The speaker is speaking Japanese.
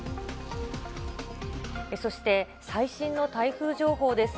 そして最新の台風情報です。